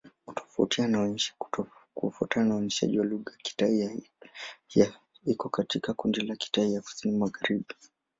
Kufuatana na uainishaji wa lugha, Kitai-Ya iko katika kundi la Kitai ya Kusini-Magharibi.